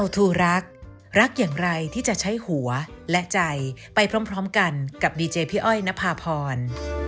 โปรดติดตามตอนต่อไป